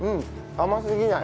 甘すぎない。